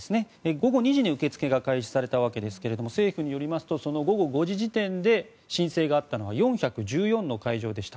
午後２時に受け付けが開始されたわけですが政府によりますとその午後５時時点で申請があったのは４１４の会場でした。